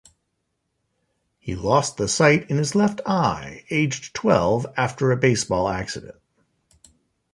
He lost the sight in his left eye aged twelve after a baseball accident.